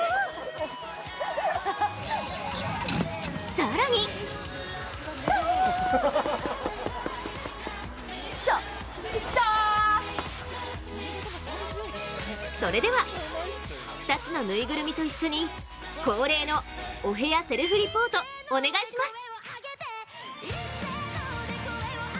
更にそれでは、２つの縫いぐるみと一緒に恒例のお部屋セルフリポート、お願いします。